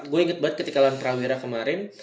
gua inget banget ketika lan prawera kemarin